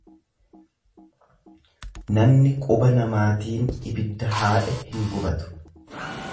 Namni quba namaatiin ibidda haadhe hin gubatu.